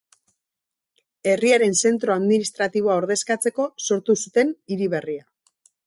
Herriaren zentro administratiboa ordezkatzeko sortu zuten hiri berria.